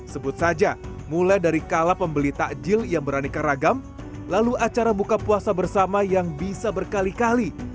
sebut saja mulai dari kala pembeli takjil yang beraneka ragam lalu acara buka puasa bersama yang bisa berkali kali